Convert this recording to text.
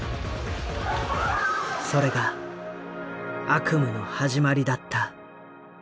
それが悪夢の始まりだった。